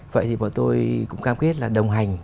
vậy thì bọn tôi cũng cam kết là đồng hành